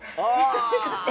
ちょっと、え？